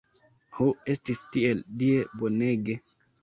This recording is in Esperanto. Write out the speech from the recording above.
Ho, estis tiel Die bonege!